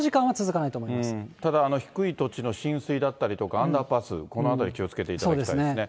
ただ、低い土地の浸水だったりとか、アンダーパス、このあたり気をつけていただきたいですね。